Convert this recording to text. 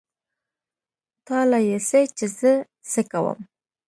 تا له يې څه چې زه څه کوم.